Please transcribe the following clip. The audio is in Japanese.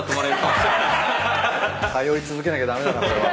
通い続けなきゃ駄目だなこれは。